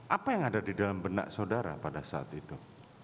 apa yang ada di dalam benak saudara pada saat itu